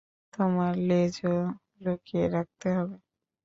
তোমার লেজও লুকিয়ে রাখতে হবে।